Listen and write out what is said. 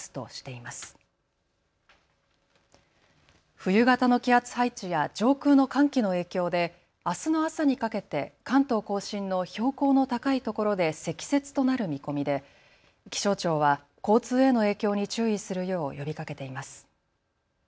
冬型の気圧配置や上空の寒気の影響であすの朝にかけて関東甲信の標高の高い所で積雪となる見込みで気象庁は交通への影響に注意するよう呼びかけています。